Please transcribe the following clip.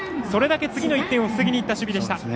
それだけ次の１点を防ぎにいった守備でした。